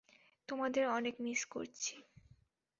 তোমাদের অনেক মিস করেছি!